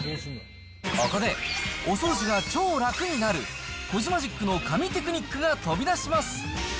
ここで、お掃除が超楽になる、コジマジックの神テクニックが飛び出します。